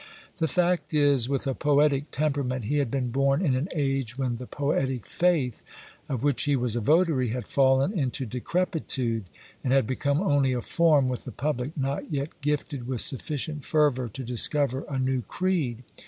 The fact is, with a poetic temperament, he had been born in an age when the poetic faith of which he was a votary had fallen into decrepitude, and had become only a form with the public, not yet gifted with sufficient fervour to discover a new creed.